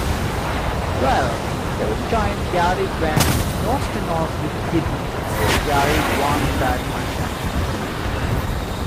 Well, every time Gary went nose-to-nose with Kidd, Gary won that matchup.